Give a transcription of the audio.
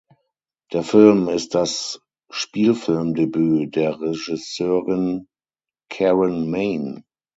Der Film ist das Spielfilmdebüt der Regisseurin Karen Maine.